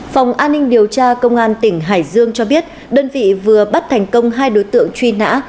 phòng an ninh điều tra công an tỉnh hải dương cho biết đơn vị vừa bắt thành công hai đối tượng truy nã